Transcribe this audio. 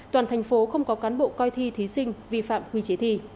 toàn thành phố không có cán bộ coi thi thí sinh vi phạm quy chế thi